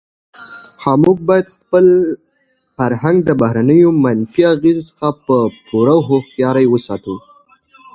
موږ باید خپل فرهنګ د بهرنیو منفي اغېزو څخه په پوره هوښیارۍ وساتو.